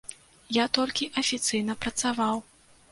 Я толькі афіцыйна працаваў.